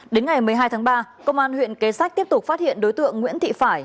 đến ngày một mươi hai tháng ba công an huyện kế sách tiếp tục phát hiện đối tượng nguyễn thị phải